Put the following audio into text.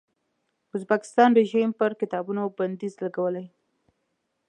ازبکستان رژیم پر کتابونو بندیز لګولی.